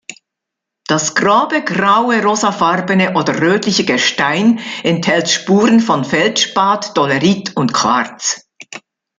Das grobe, graue, rosafarbene oder rötliche Gestein enthält Spuren von Feldspat, Dolerit und Quarz.